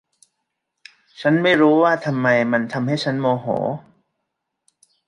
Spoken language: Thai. ฉันไม่รู้ว่าทำไมมันทำให้ฉันโมโห